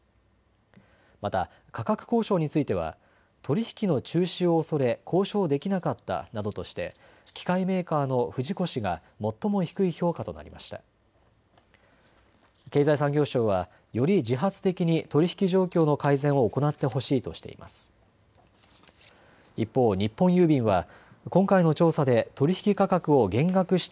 また価格交渉については取り引きの中止を恐れ交渉できなかったなどとして機械メーカーの不二越が最も低い評価となりました。